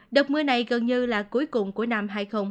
đợt mưa này gần như là cuối cùng của năm hai nghìn hai mươi